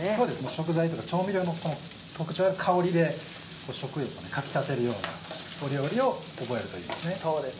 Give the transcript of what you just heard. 食材とか調味料の特徴や香りで食欲をかき立てるような料理を覚えるといいですね。